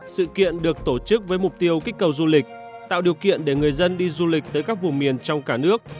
sự kiện được tổ chức với mục tiêu kích cầu du lịch tạo điều kiện để người dân đi du lịch tới các vùng miền trong cả nước